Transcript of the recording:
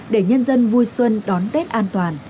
để nhân dân vui xuân đón tết an toàn